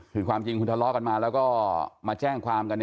ถึงความจริงคุณตลอดกันมาแล้วมาแจ้งความ